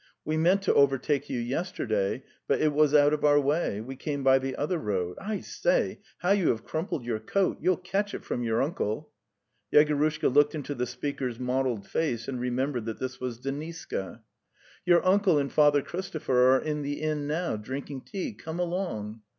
We meant to overtake you yesterday, but it was out of our way; we came by the other road. I say, how you have crumpled your coat! You'll catch it from your uncle! " Yegorushka looked into the speaker's mottled face and remembered that this was Deniska. 'Your uncle and Father Christopher are in the inn now, drinking tea; come along!"